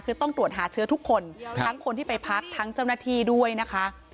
คือต้องตรวจหาเชื้อทุกคนทั้งคนที่ไปพักทั้งเจ้าหน้าที่ด้วยนะคะ